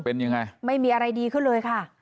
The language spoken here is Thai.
เป็นยังไงไม่มีอะไรดีขึ้นเลยค่ะ